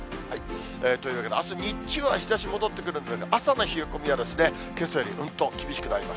というわけで、あす日中は日ざし戻ってくるんですが、朝の冷え込みはですね、けさよりうんと厳しくなります。